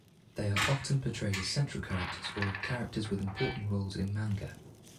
They are often portrayed as central characters or characters with important roles in manga.